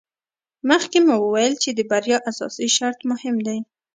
مخکې مو وویل چې د بریا اساسي شرط مهم دی.